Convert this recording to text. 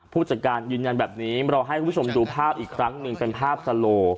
ผู้จัดการยืนยันแบบนี้เราให้คุณผู้ชมดูภาพอีกครั้งหนึ่งเป็นภาพสโล